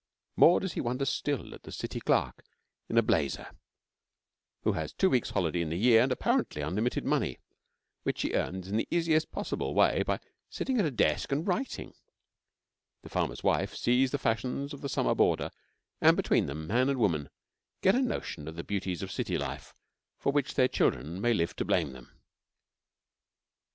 More does he wonder still at the city clerk in a blazer, who has two weeks' holiday in the year and, apparently, unlimited money, which he earns in the easiest possible way by 'sitting at a desk and writing,' The farmer's wife sees the fashions of the summer boarder, and between them man and woman get a notion of the beauties of city life for which their children may live to blame them.